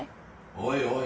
おいおい